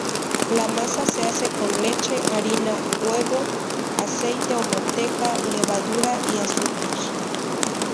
La masa se hace con leche, harina, huevo, aceite o manteca, levadura y azúcar.